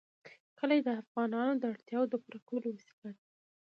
کلي د افغانانو د اړتیاوو د پوره کولو وسیله ده.